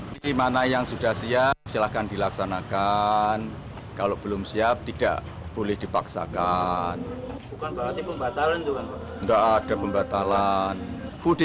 nur saya itu sangat baik soalnya kan tidurnya dua hari